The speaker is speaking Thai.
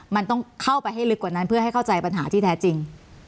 มันต้องเข้าไปให้ลึกกว่านั้นเพื่อให้เข้าใจปัญหาที่แท้จริง